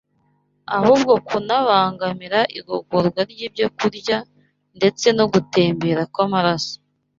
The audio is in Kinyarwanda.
ahubwo kunabangamira igogorwa ry’ibyokurya ndetse no gutembera kw’amaraso